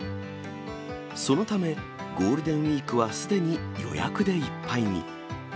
そのため、ゴールデンウィークはすでに予約でいっぱいに。